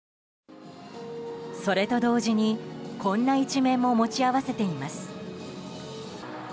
それと同時にこんな一面も持ち合わせています。